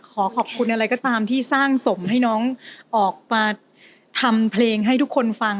ขอขอบคุณอะไรก็ตามที่สร้างสมให้น้องออกมาทำเพลงให้ทุกคนฟัง